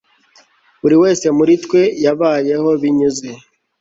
buri wese muri twe yabayeho binyuze